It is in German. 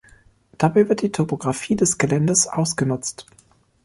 Dabei wird die Topographie des Geländes ausgenutzt.